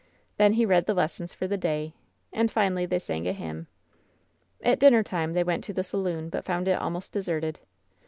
Then he read the lessons for the day; and finally they sang a hymn. At dinner time they went to the saloon, but found it almost deserted.